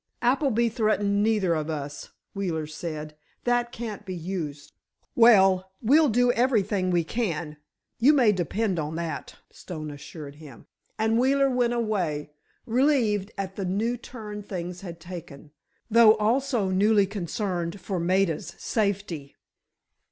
"Appleby threatened neither of us," Wheeler said. "That can't be used." "Well, we'll do everything we can, you may depend on that," Stone assured him. And Wheeler went away, relieved at the new turn things had taken, though also newly concerned for Maida's safety.